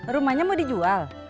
rumahnya mau dijual